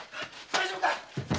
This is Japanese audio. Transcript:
大丈夫か